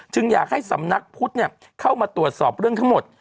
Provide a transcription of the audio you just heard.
อยากให้สำนักพุทธเข้ามาตรวจสอบเรื่องทั้งหมด